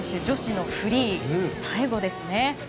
女子のフリー、最後です。